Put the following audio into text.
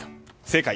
正解！